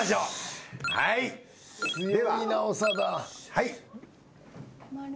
はい。